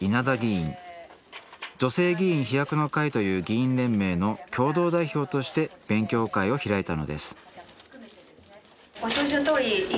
「女性議員飛躍の会」という議員連盟の共同代表として勉強会を開いたのですご承知のとおり自民党